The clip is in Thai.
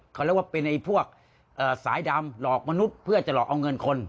เขาเรียกว่าเป็นไอ้พวกสายดำหลอกมนุษย์เพื่อจะหลอกเอาเงินคน